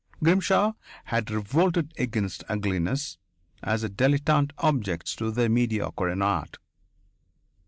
Grimshaw had revolted against ugliness as a dilettante objects to the mediocre in art.